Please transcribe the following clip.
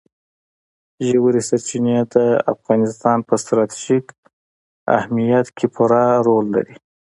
ژورې سرچینې د افغانستان په ستراتیژیک اهمیت کې پوره رول لري.